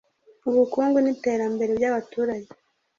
ubukungu n’iterambere by’abaturage